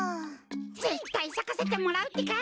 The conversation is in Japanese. ぜったいさかせてもらうってか。